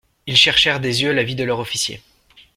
Il cherchèrent des yeux l'avis de leur officier.